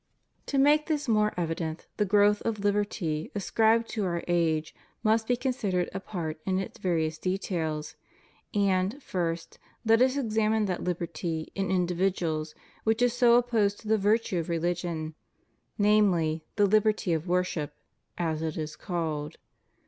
To make this more e\'ident, the growth of liberty ascribed to our age must be considered apart in its various details. And, first, let us examine that liberty in individ uals which is so opposed to the virtue of religion, namely, the liberty of worship, as it is called.